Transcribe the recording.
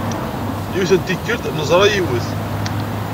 Yiwet n tikkelt, neẓra yiwet.